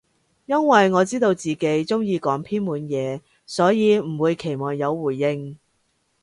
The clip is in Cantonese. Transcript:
因爲我知道自己中意講偏門嘢，所以唔會期望有回應